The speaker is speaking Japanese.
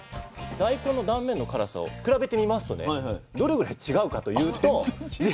大根の断面の辛さを比べてみますとねどれぐらい違うかというと。